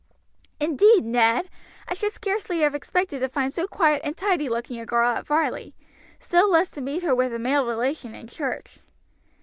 "Indeed, Ned! I should scarcely have expected to find so quiet and tidy looking a girl at Varley, still less to meet her with a male relation in church."